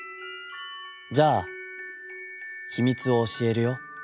『じゃあ秘密を教えるよ。